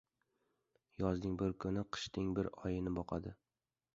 • Yozning bir kuni qishning bir oyini boqadi.